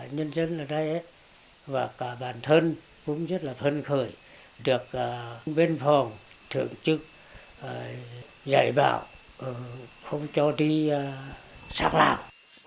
nhân dân ở đây và cả bản thân cũng rất là thân khởi được biên phòng thượng trực dạy bảo không cho đi sạc lạc